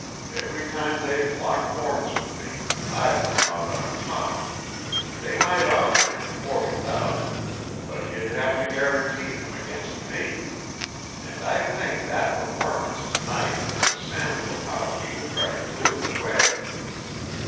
Every time they've locked horns with me, I've come out on top. They might offer him forty thousand, but he'd have to guarantee them against me. And I think that performance to night is a sample of how he will try to clear the way."